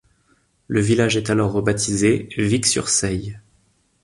Le village est alors rebaptisé Vic-sur-Seille.